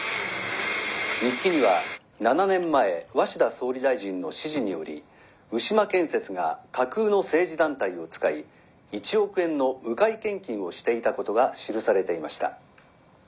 日記には７年前鷲田総理大臣の指示により牛間建設が架空の政治団体を使い１億円の迂回献金をしていたことが記されていました。